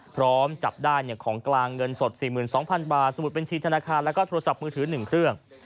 พร้อมจับได้ของกลางเงินสด๔๒๐๐๐บาทสมุดบัญชีธนาคารแล้วก็โทรศัพท์มือถือ๑เครื่อง